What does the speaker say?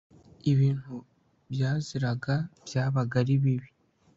ibintu byaziraga byabaga ari bibi